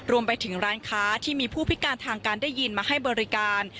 รวมไปถึงร้านค้าที่มีผู้พิการทางการได้ยินมาให้บริการ